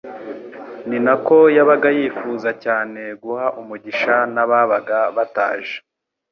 ni nako yabaga yifuza cyane guha umugisha n'ababaga bataje.